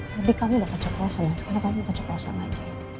tadi kamu udah pecah kawasan sekarang kamu pecah kawasan lagi